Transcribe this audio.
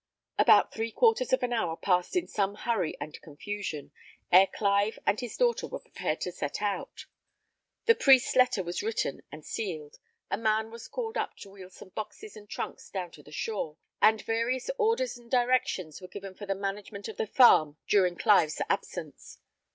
About three quarters of an hour passed in some hurry and confusion, ere Clive and his daughter were prepared to set out. The priest's letter was written and sealed; a man was called up to wheel some boxes and trunks down to the shore; and various orders and directions were given for the management of the farm during Clive's absence.